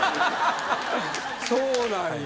そうなんや。